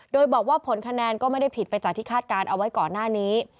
โดยบอกว่าผลคะแนนก็ไม่ได้ผิดไปจากที่คาดการณ์เอาไว้ก่อนหน้านี้